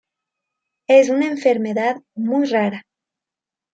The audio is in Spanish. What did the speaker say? Es una enfermedad muy rara.